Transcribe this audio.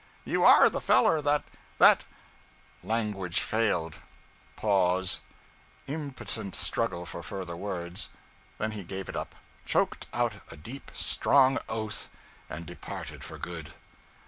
'You are the feller that that ' Language failed. Pause impotent struggle for further words then he gave it up, choked out a deep, strong oath, and departed for good.